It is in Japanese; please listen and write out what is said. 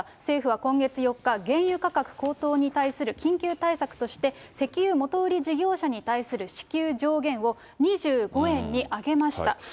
政府は今月４日、原油価格高騰に対する緊急対策として、石油元売り事業者に対する支給上限を２５円に上げました。